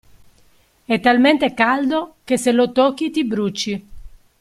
È talmente caldo che se lo tocchi ti bruci!